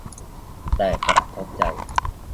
แต่กระทบใจ